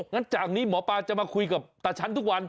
จากนี้หมอปลาจะมาคุยกับตาฉันทุกวัน